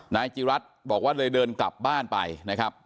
นายจิรัตน์บอกว่าเลยเดินกลับบ้านไปนะครับ